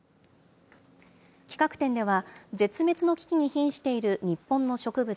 企画展では、絶滅の危機にひんしている日本の植物